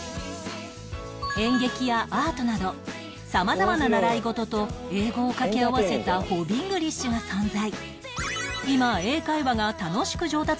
演劇やアートなど様々な習い事と英語を掛け合わせたホビングリッシュが存在